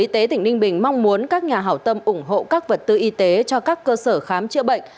tp ninh bình mong muốn các nhà hảo tâm ủng hộ các vật tư y tế cho các cơ sở khám chữa bệnh